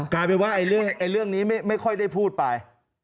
กลายเป็นว่าเรื่องนี้ไม่ค่อยได้พูดไป